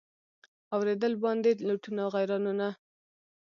اورېدل باندي لوټونه غیرانونه